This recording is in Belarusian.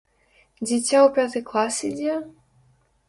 Дзіця ў пяты клас ідзе?